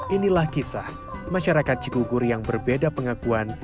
inilah kisah masyarakat cikugur yang berbeda pengakuan